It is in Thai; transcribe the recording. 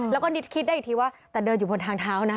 แล้วก็คิดได้อีกทีว่าแต่เดินอยู่บนทางเท้านะ